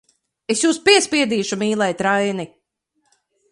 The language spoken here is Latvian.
Es jūs piespiedīšu mīlēt Raini!